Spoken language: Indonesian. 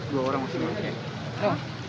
dua orang muslim